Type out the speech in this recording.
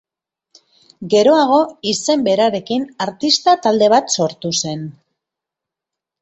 Geroago izen berarekin artista talde bat sortu zen.